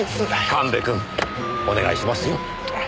神戸君お願いしますよ。